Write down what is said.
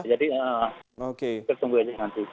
jadi kita tunggu aja nanti